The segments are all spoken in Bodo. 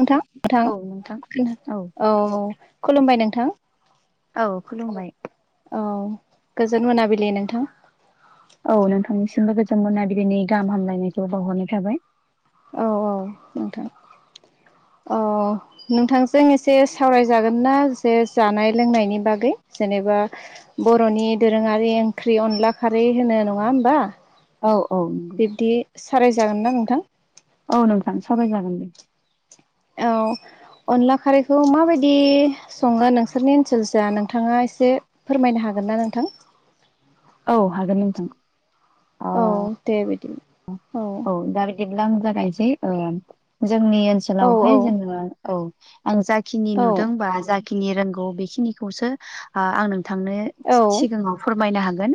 नोंथां औ नोंथां नथां औ खुलुमबाय नोंथां। औ खुलुमबाय। औ गोजोन मोनाबिलि नोंथां। औ नोंथांनिसिमबो गोजोन मोनाबिलिनि गाहाम हामलायनायखौ बावहरनाय थाबाय। औ औ नोंथां औ औ। नोंथांजों एसे सावरायजागोन ना जे जानाय लोंनायनि बागै जेनेबा बर'नि दोरोङारि ओंख्रि अनला खारै होनो नङा होमबा? औ औ। दि सारायजागोन ना नोंथां? औ नोंथां सावराय जागोन दे। औ। अनला खारैखौ माबायदि सङो नोंसोरनि ओनसोलसो नोंथाङा एसे फोरमायनो हागोन ना नोंथां? औ हागोन नोंथां। ओ औ दे बिदि औ। औ दा बिदिब्ला आं जागायनोसै ओ जोंनि औ औ ओनसोलावहाय जोङो औ आं जाखिनि औ नुदोंबा जाखिनि रोंगौ बेखिनिखौसो ओ आं नोंथांनो औ सि सिगाङाव फोरमायनो हागोन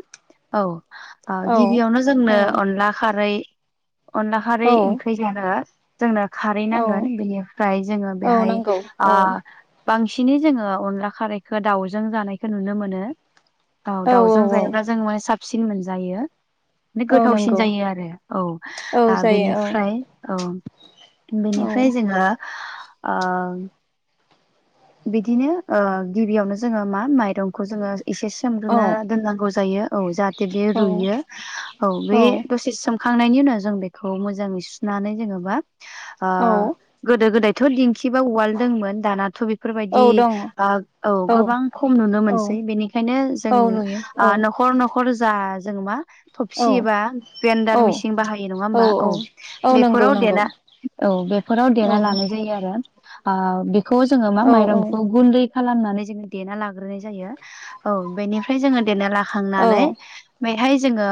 औ ओ गिबियावनो जोंनो औ अनला खारै अनला खारै औ ओंख्रि जानो जोंनो खारै नांगोन औ बेनिफ्राय जोङो औ बेहाय नंगौ ओ औ बांसिनै जोङो अनला खारैखौ दाउजों जानायखौ नुनो मोनो। औ दाउजों जायोब्ला जों माने साबसिन मोनजायो माने औ गोथावसिन नंगौ जायो आरो। औ ओ औ जायो बेनिफ्राय औ औ बेनिफ्राय जोङो ओ बिदिनो ओ गिबियावनो जोंङो मा माइरंखौ जोंङो एसे रुना औ दांगौ जायो औ जाहाथे बे औ रुयो औ बे द सि सोमखांनायनि उनाव जों बेखौ मोजाङै सुनानै जेनेबा औ ओ गोदो गोदायथ' दिंखिबा उवाल् दंमोन दानाथ' बेफोरबायदि औ दङ ओ औ गोबां खम नुनो मोनसै औ बेनिखायनो जों औ नुयो ओ औ न'खर न'ख खरजा जों मा औ थबसि बा ब्रेन्डार औ मिेसिं बाहायो नङा होमबा औ। औ नंगौ बेफोराव नंगौ देना औ बेफोराव औ देना लानाय जायो आरो। ओ बेखौ जोङो मा औ औ माइरंखौ गुन्दै खालामनानै जोङो देना लाग्रोनाय जायो औ बेनिफ्राय जोङो देना औ लाखांनानै बेहाय जोङो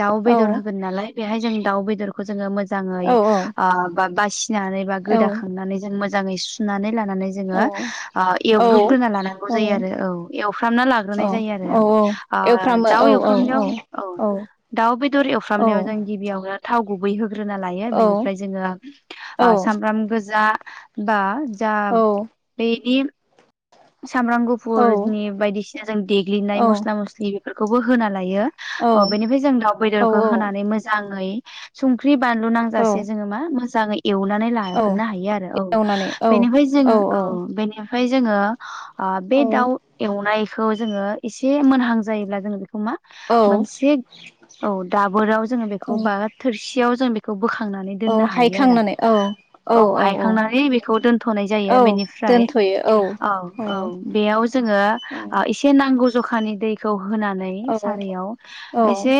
दाउ औ बेदर होगोन नालाय बेहाय जों दाउ बेदर जों मोजांङै औ ओ बा बासि बा गोदाखांनानै मोजाङै सुनानै लानानै ओ औ जोद्रुबग्रोना लानांगौ औ जायो आरो औ एवफ्रामना लाग्रोनाय जायो आरो औ औ ओ एवफ्रामो दाउ औ एवफ्रामनायाव औ दाउ बेदर एवफ्रामनायाव औ जों गिबियावनो थाव गुबै होग्रोना लायो औ बेनिफ्राय जोंङो औ सामब्राम गोजा बा जा औ बेनि सामब्राम औ गुफुरनि बायदिसिना जों देग्लिनाय औ मस्ला मस्लि बेफोरखौबो होना लायो। अ औ बेनिफ्राय जों दाउ बेदरखौ औ होनानै मोजाङै संख्रि बानलु नांजासे औ जोंङो मा मोजांङै एवनानै ला औ लाग्रोनो हायो आरो औ एवनानै औ बेनिफ्राय जोंङो औ बेनिफ्राय जोंङो ओ बे औ दाउ एवनायखौ जोङो एसे मोनहां जायोब्ला जों बेखौ मा औ मोनसे औ दाबोराव जोंङो बेखौ बा थोरसियाव जों बे खौ बोखांनानै औ दोननो हायो आरो हायखांनानै औ औ हायखांनानै बेखौ दोनथनाय जायो। औ बेनिफ्राय दोनथयो औ। औ औ बेयाव जोङो औ ओ एसे नांगौ जखानि दैखौ होनानै औ सारायाव औ एसे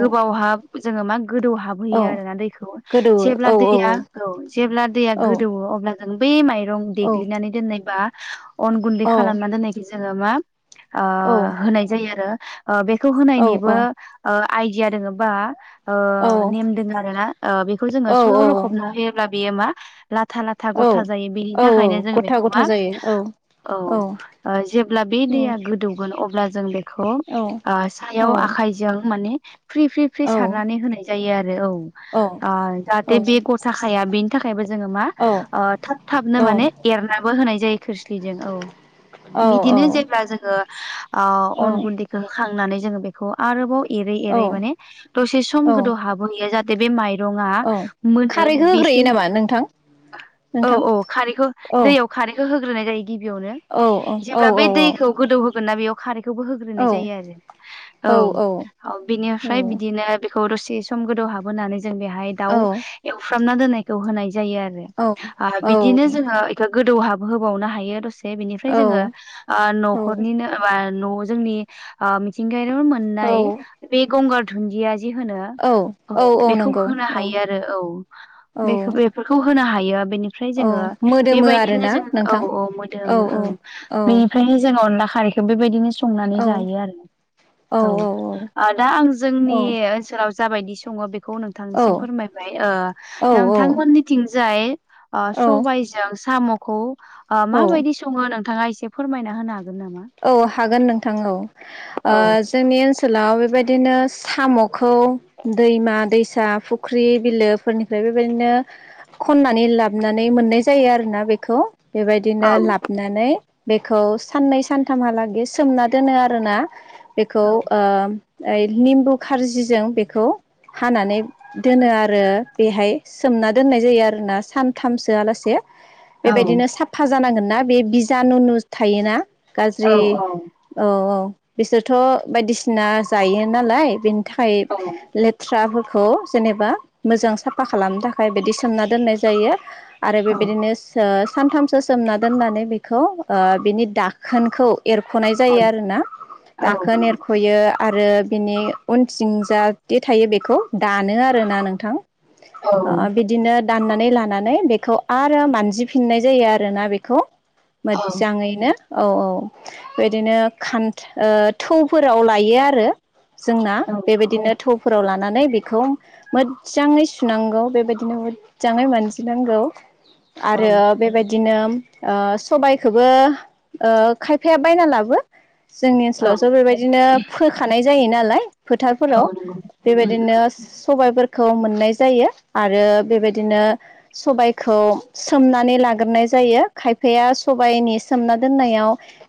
गोबावहाब जोंङो मा गोदौहाब औ होयो आरोना दैखौ गोदौवो जेब्ला औ दैया औ जेब्ला दैया औ गोदौयो अब्ला जों बै माइरं औ देग्लिनानै दोननाय बा अन गुन्दै औ खालामना दोननायखो जोंङो मा ओ औ होनाय जायो आरो ओ बेखौ औ होनायनिबो ओ आइडिया दोङोबा ओ औ नेम दोंङो आरो ना ओ बेखौ जोंङो स लखबना होयोब्ला बेयो मा लाथा ला था औ गथा जायो बेनि औ थाखायनो जोऔङो गथा बेखौ गथा मा जायो औ औ ओ जेब्ला बे औ दैया गोदौगोन अब्ला जों बेखौ औ ओ सायाव आखाइजों माने फ्रि फ्रि फ्रि औ सारनानै होनाय जायो आरो औ औ ओ जाहाथे बे गथा खाया बे थाखायबो जोंङो मा अ थाब थाबनो माने एरनाबो होनाय जायो खोस्लिजों औ बिदिनो औ-औ-औ-औ-औ-औ-औ-औ जेब्ला जोंङो अ अन गुन्दै खो खांनानै जोंङो बेखौ आरोबाव एरै एरै माने दसे सम गोदौ हाब बहियो जाहाथे बे माइ रङा मोनो खारैखौ होग्रोयो बेसिम नामा नोंथां औ नोंथां औ खारैखौ दैयाव खारिखो होग्रोनाय जायो गिबियावनो जेब्ला बै दैखौ गोदौ होगोन ना बेयाव खारिखौबो होग्रोनाय जायो आरो औ औ बिनिफ्राय बिदिनो खौ दसे सम गोदौ हाबहोनानै जों बेहाय दाउ औ-औ-औ-औ-औ-औ-औ-औ-औ-औ-औ-औ-औ-औ-औ एवफ्रामना दोननायखौ होनाय जायो आरो ओ बिदिनो जोङो एखो गोदौहाबहोबावनो हायो दसे बिनिफ्राय जोंङो ओ नखरनिनो बा न जोंनि ओ मिथिंगायाव मोननाय बे गंगार दुन्दिया जे होनो औ बेखौ नंगौ होनो हायो आरो औ बेखौ बे औ-औ-औ फोरखौ होनो हायो बेनिफ्राय जोंङो मोदोमो बेबायदिनो आरोना जोंङो औ नोंथां औ मोदोमो औ बेनिफ्रायनो जोंङो ना खारैखौ बेबायदिनो संनानै जायो आरो। औ ओ दा आं जोंनि सोलाव जाबायदि सङो बेखौ नोंथांनिसिम फोरमायबाय ओ नोंथांमोननिथिंजाय ओ सबायजों साम'खौ बा माबायदि सङो नोंथाङा एसे फोरमायना होनो हागोन नामा? औ हागोन नोंथां औ ओ। औ जोंनि ओनसोलाव बेबायदिनो सामखौ दैमा दैसा फुख्रि बिलोफोरनिफ्रायबो बेबायदिनो खननानै लाबनानै मोननाय जायो आरोना बेखौ। औ बेबायदिनो लाबनानै बेखौ साननै सान थामहालागे सोमना दोनो आरोना बेखौ ओ ओइ लिम्बु खारजिजों बेखौ हानानै दोनो आरो बेहाय सोमना दोननाय जायो आरोना सानथामसो आलासे औ बेबायदिनो साफा जानांगोन ना बे बिजानु नु थायोना औ गाज्रि औ औ बिसोरथ बायदिसिना जायो नालाय बेनि थाखाय औ लो थ्राफोखौ जेनेबा मोजां साफा खालामनो थाखाय बिदि सोमना दोननाय जायो। आरो बे औ बेदिनो सो सानथामसो सोमना दोननानै बेखौ ओ बिनि दाखोनखौ एरख'नाय जायो आरोना औ दाखोन एर खयो आरो बिनि उनथिं जााहाथे थायो बेखौ दानो आरोना नोंथां। आ बि बिदिनो दाननानै लानानै बेखौ आरो मानजिफिननाय जायो आरोना बेखौ। मोजाङैनो औ औ बेदिनो खान- थौफोराव लायो आरो। जोंना बेबायदिनो थौफोराव लानानै बेखौ मोजाङै सुनांगौ बेबायदिनो मोजाङै मानजिनांगौ। आरो औ बेबायदिनो सबायखोबो खायफाया बायना लाबो जोंनि औ ओनसोलावस' बेबायदिनो फोखानाय जायो नालाय। औ फोथारफोराव नंगौ बेबायदिनो सबायफोरखौ मोननाय जायो। आरो बेबायदिनो सबायखौ सोमनानै लाग्रोनाय जायो खायफाया सबायाइनि सोमना दोनायाव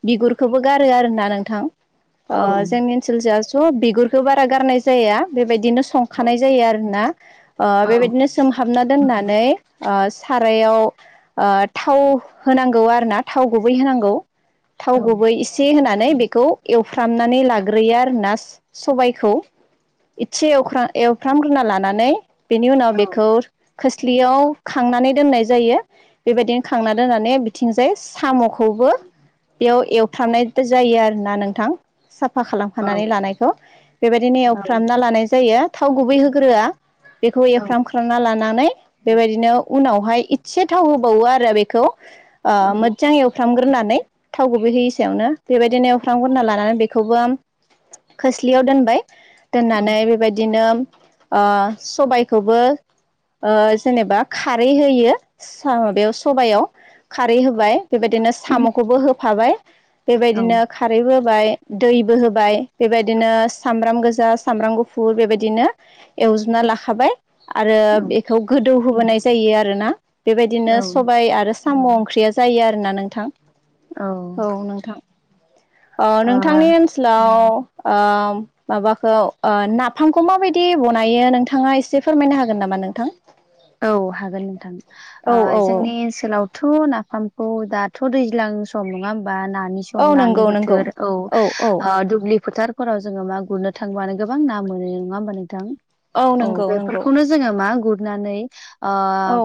बिगुरखौबो गारो आरोोना नोंथां। ओ उम जोंनि ओनसोल ज स' बिगुरखो बारा गारनाय जाया बेबायदिनो उम औ संखानाय जायो आरोना। ओ औ बेबायदिनो सोमहाबना दोननानै ओ सारायाव ओ थाव होनांगौ आरो ना थाव गुबै होनांगौ थाव औ गुबै ए सि होनानै बेखौ एवफ्रामनानै लाग्रोयो आरो ना सबायखौ। इसे एवाख्रा- एवफ्रामग्रोना लानानै बेनि उनाव औ बेखौ खोस्लियाव खांनानै दोननाय जायो। बेबायदिनो खांना दोननानै बिथिंजाय साम'खौबो बेयाव एवथाबनाय जायो आरोना नोंथां। साफा औ खालामफानानै लानायखौ बेबायदिनो औ एवफ्रामना लानाय जायो। थाव गुबै होग्रोआ बेखौ एफ्राम खालामना लानानै बेबायदिनो उनावहाय एसे थाव होबावो आरो बेखौ औ मोजां एवफ्रामग्रोनानै थाव गुबैहैयि सायावनो बेबायदिनो अख्रां गुरना लानानै बेखौबो खोस्लियाव दोनबाय औ दोननानै बेबायदिनो ओ सबायखौबो ओ जेनेबा खारै होयो माबायाव सबायाव खारै होबाय बेबायदिनो साम'खौबो होफाबाय औ बेबायदिनो खारैबो होबाय दैबो होबाय बेबायदिनो सामब्राम गोजा सामब्राम गुफुर बेबायदिनो एवजोबना लाखाबाय आरो औ बेखौ गोदौहोबोनाय जायो आरोना बेबायदिनो औ सबाय आरो साम' ओंख्रिया जायो आरोना नोंथां ओ औ नोंथां अ नोंथांनि ओनसोलाव ओ माबाखौ ओ नाफामखौ माबायदि बनायो नोंथाङा एसे फोरमायनो हागोन नामा नोंथां? औ हागोन नोंथां औ ओ औ जोंनि ओनसोलावथ' नाफामखौ दाथ' दैज्लां सम नङा होमबा नानि औ सम। सम नानि नंगौ नंगौ बोथोर औ ओ दुब्लि फोथार फोराव जोङो मा गुरनो थांबानो गोबां ना मोनो नङा होमबा नोंथां? औ नंगौ नंगौ बेफोरखौनो जोङो मा ना गुरनानै ओ औ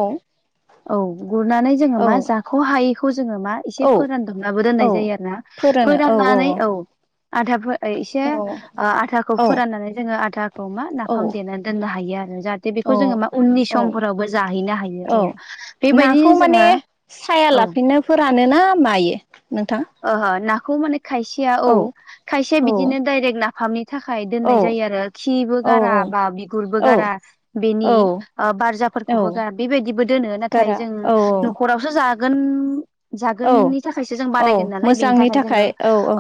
औ गुरनानै। जोङो औ मा जाख' हायैखौ जोङो मा एसे औ फोरानदबनबो दोननाय औ जायो आरो ना। फोरानो औ फोराननानै औ आथा फो- ओ से औ आथाखौ औ फोराननानै जोङो आथाखौ मा औ नाफाम देनानै दोननो हायो आरो जाहाथे बेखौ औ जोंङो मा उननि औ सम औ बेबायदिनो नाखौ माने जोङो साया औ लाफिनो फोरानोना मायो? नोंथां। ओह नाखौ माने खायसेया औ खायसेया औ बिदिनो डाइरेक्ट नाफामनि थाखाय औ दोननाय जायो आरो खिबो गारा बा बिगुरबो औ गारा बेनि औ बारजाब औ फोरखौबो ग बेबायदिबो दोनो नाथाय गारा जों औ औ न'खरावसो जागोन औ जागोननि थाखायसो जों बानायगोन नालाय बेनि थाखाय जोंङो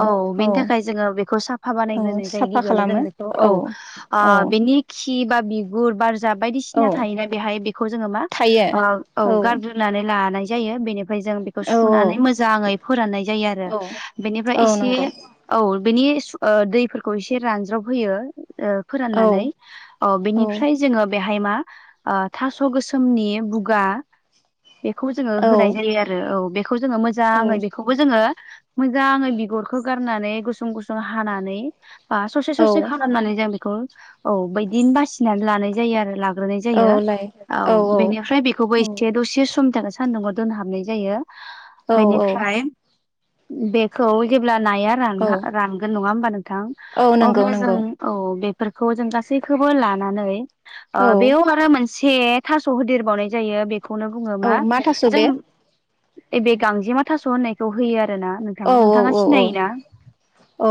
औ बेनि थाखाय जोंङो बेखौ साफ औ भाबानायनायग्रोनाय जायो साफा गिबियावनो खालामो जोंथ' औ ओ औ बेनि खि बा बिगुर बारजा औ बायदिसिना थायोना बेहाय बेखौ जोंङो मा थायो ओ औ गार नानै लानाय जायो बेनि ओमफ्राय जों बेखौ औ सुनानै मोजाङै फोराननाय जायो आरो औ बेनिफ्राय औ एसे नंगौ औ बेनि ओ दैफोरखौ एसे रानज्रब होयो। औ फोराननानै ओ औ बेनिफ्राय जोंङो बेहाय मा ओ थास' गोसोमनि बुगा बेखौ जोंङो होनाय औ जायो आरो। औ बेखौ जोंङो औ मोजाङै बेखौबो जोंङो मोजां बिगुरखौ गारनानै गुसुं गुसुं हानानै बा ससे ससे औ खालामनानै जों बेखौ औ बैदिनो बासिनानै लानाय जायो आरो ला औ लाय। औ बेनिफ्राय बेखौबो औ एसे दसे समनि थाखाय सान्दुंआव दोनहाबनाय जायो। औ बेनिफ्राय बेखौ जेब्ला नाया रान औ रानगोन नङा होमबा नोंथां औ नंगौ अब्ला जों नंगौ औ बेफोरखौ जों गासैखौबो लानानै ओ औ बेयाव आरो मोन से थास' होदेरबावनाय जायो बेखौनो बुंङो मा औ थास' जों बे बे गांजेमा थास' होननायखौ होयो आरो ना नोंथां औ औ नोंथाङा औ औ सिनायो ना? औ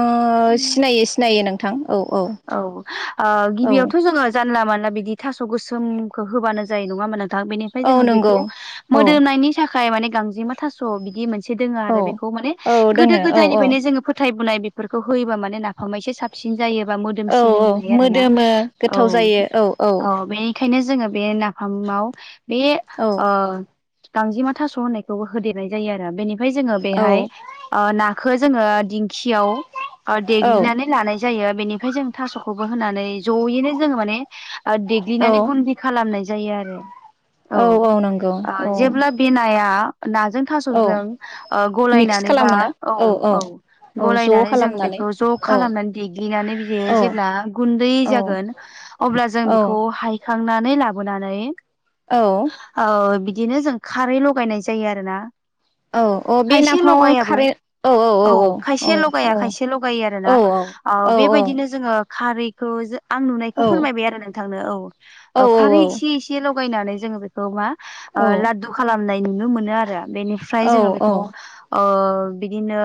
आङो सिनायो सिनायो नोंथां औ औ। औ ओ औ गिबियावथ' जोंङो जानला मानला बिदि थास' गोसोमखौ होबानो जायो नङा मोना बेनिफ्राय औ जोंङो नंगौ बेखौ औ मोदोमनायनि थाखाय माने गांजेमा थास' बिदि मोनसे एसे दोंङो औ आरो बेखौ माने औ गोदो दोङो औ औ गोदायनिफ्रायनो जोंङो फोथायबोनाय फोरखौ होयोब्ला माने नाफामा एसे साबसिन जायोबा मो औ दोमसिनो होननाय आरोना मोदोमो औ गोथाव जायो औ बे ओखायनो जोंङो बे नाफामाव बे औ ओ गांजिमा थास' होननायखौबो होदेरनाय जायो आरो बेनिफ्राय जोंङो औ बेहाय ओ नाखौ जोंङो दिंखियाव देग्लिनानै लानाय जायो बेनिफ्राय जों थास'खौबो होनानै ज'यैनो जोंङो माने औ देग्लिनानै गुदि खालामनाय जायो आरो औ ओ जेब्ला बे नाया नाजों औ थास'जों ओ मिक्स गलायनानैबा खालामो ना औ औ। औ ज' गलायनानै जों खालामनानै बेखौ ज' औ खालामनानै देग्लिनानै बियो औ आ गुन्दै जागोन अब्ला जों बेखौ औ हायखांनानै लाबोनानै औ औ बिदिनो जों खारै लगायनाय जायो आरोना औ औ बे खायसे नाफामाव लगायाबो खारै औ औ खायसे औ लगाया खायसे लगायो आरो ना औ औ बेबायदिनो जोङो खारैखौ आं नुनायखौ फोरमायबाय आरो नों थांनो औ औ खारै एसे लगायनानै जों बेखौ मा ओ ला दु खालामनाय नुनो मोनो आरो बेनिफ्राय औ जोङो बेखौ ओ बिदिनो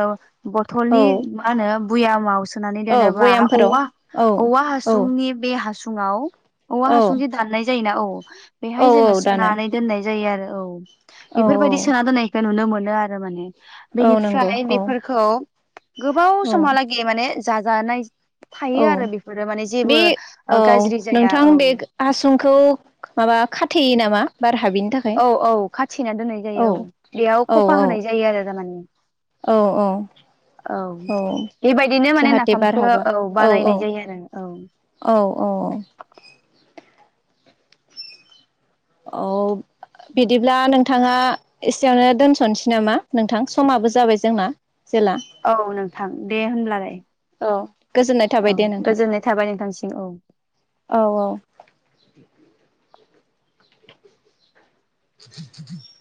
औ बथलनि मा होनो भुयामाव सोनानै औ दोनोब्ला भयामफोराव औवा औ औवा औ हासुंनि बे हासुङाव औवा औ हासुं जे दाननाय जायोना औ औ बेहाय जोंङो दानो सोनानै दोननाय जायो आरो औ औ बेफोरबायदि सोना औ दोननाय नुनो मोनो आरो माने औ नंगौ बेनिफ्राय औ बेफोरखौ गोबाव औ समावलागि माने जाजा नाय औ थायो आरो बेफोरो माने बे जेबो औ गाज्रि जाया नोंथां औ। बे हासुंखौ माबा खाथेयो नामा बार हाबिनि था औ औ खाथिना दोननाय जायो औ बेयाव औ खफा औ होनाय जायो आरो जामानि औ औ औ बेबायदिनो माने जाहाथे बार नाफामखौ हाबा औ औ बानायनाय जायो आरो औ औ औ औ बिदिब्ला नोंथाङा एसेयावनो दोनस'नोसै नामा नोंथां समाबो जाबाय जोंना जेला औ नोंथां दे होनब्लालाय औ गोजोननाय थाबाय औ दे नोंथां गोजोननाय थाबाय नोंथांसिम औ‌ औ औ [inaudible]